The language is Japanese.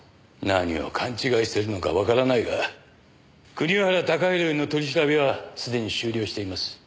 何を勘違いしているのかわからないが国原貴弘への取り調べは既に終了しています。